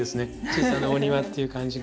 小さなお庭っていう感じが。